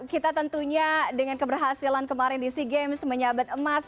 kita tentunya dengan keberhasilan kemarin di sea games menyabat emas